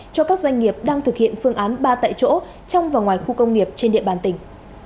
cho các doanh nghiệp đang thực hiện phương án ba tại chỗ trong và ngoài khu công nghiệp trên địa bàn tỉnh